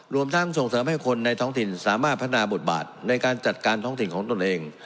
รวมทั้งส่งเสริมให้คนในท้องถิ่นสามารถพัฒนาบทบาทในการจัดการท้องถิ่นของตนเอง